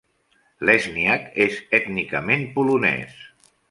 Lesniak és ètnicament polonès.